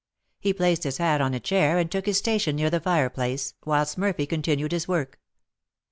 He placed his hat on a chair and took his station near the fireplace, whilst Murphy continued his work.